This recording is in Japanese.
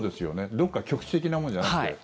どこか局地的なものじゃなくて。